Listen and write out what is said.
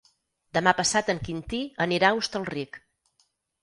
Demà passat en Quintí anirà a Hostalric.